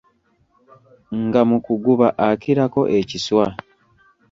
Nga mu kuguba akirako ekiswa.